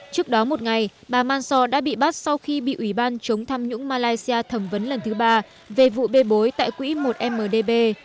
trước đó một ngày bà mansor đã bị bắt sau khi bị ủy ban chống tham nhũng malaysia thẩm vấn lần thứ ba về vụ bê bối tại quỹ một mdb